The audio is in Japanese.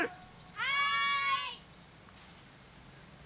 はい！